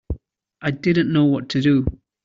I didn't know what to do.